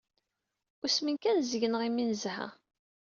Usmen kan seg-neɣ imi ay nezha.